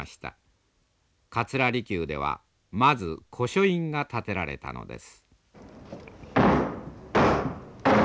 桂離宮ではまず古書院が建てられたのです。